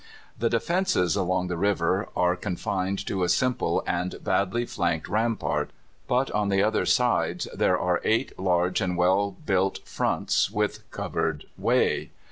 The defences along the river are confined to a simple and badly flanked rampart, but on the other sides there are eight large and well built fronts with covered way.